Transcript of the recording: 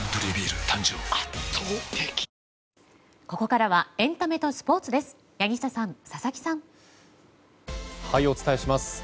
ここからエンタメとスポーツです。